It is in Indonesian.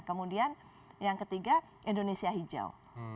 kemudian yang ketiga indonesia hijau